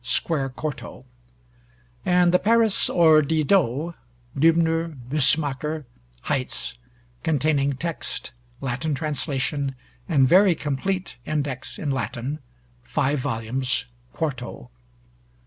square 4to); and the Paris or Didot (Dübner, Bussemaker, Heitz), containing text, Latin translation, and very complete Index in Latin (5 vols., 4to).